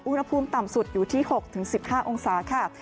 อุณหภูมิต่ำสุดอยู่ที่๖๑๕องศาค่ะ